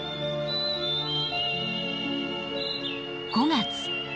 ５月。